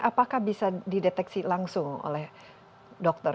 apakah bisa dideteksi langsung oleh dokter